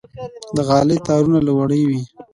د غالۍ تارونه له وړۍ وي.